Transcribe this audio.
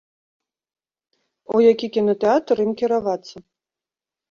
У які кінатэатр ім кіравацца?